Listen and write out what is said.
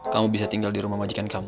kamu bisa tinggal di rumah majikan kamu